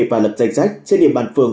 và lập danh sách trên địa bàn phường